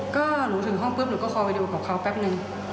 ก็หนูถึงห้องปุ๊บหนูก็คอยไปดูกับเขาแป๊บนึง